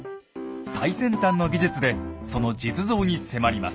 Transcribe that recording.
最先端の技術でその実像に迫ります。